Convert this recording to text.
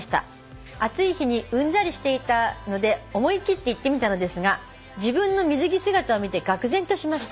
「暑い日にうんざりしていたので思い切って行ってみたのですが自分の水着姿を見てがく然としました」